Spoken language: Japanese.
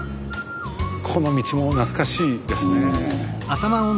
この道も懐かしいですね。